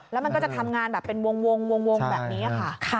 แล้วมันก็จะทำงานแบบเป็นวงแบบนี้ค่ะ